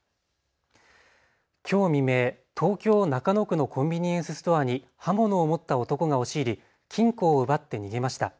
きょう未明、東京中野区のコンビニエンスストアに刃物を持った男が押し入り金庫を奪って逃げました。